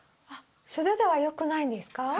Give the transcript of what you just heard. あっ素手ではよくないんですか？